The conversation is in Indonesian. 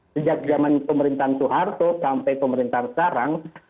sejak zaman pemerintahan soeharto sampai pemerintahan sekarang